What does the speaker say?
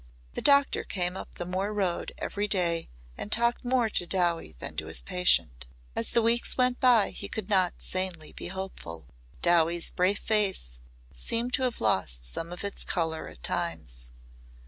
The doctor came up the moor road every day and talked more to Dowie than to his patient. As the weeks went by he could not sanely be hopeful. Dowie's brave face seemed to have lost some of its colour at times.